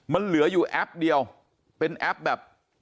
มันเหลืออยู่แอปเดียวเป็นแอปแบบ